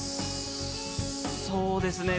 そうですね